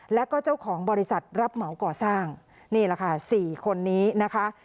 แล้วก็เจ้าของบริษัทรับเหมาก่อสร้างนี่แหละค่ะสี่คนนี้นะคะ